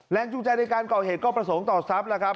แรงจูงใจในการก่อเหตุก็ประสงค์ต่อทรัพย์แล้วครับ